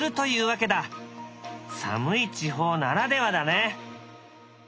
寒い地方ならではだね。